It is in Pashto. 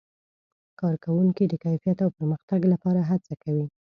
کارکوونکي د کیفیت او پرمختګ لپاره هڅه کوي.